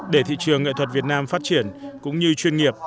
để thị trường nghệ thuật việt nam phát triển cũng như chuyên nghiệp